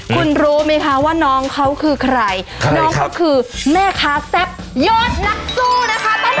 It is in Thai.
คุณรู้ไหมคะว่าน้องเขาคือใครน้องเขาคือแม่ค้าแซ่บยอดนักสู้นะคะ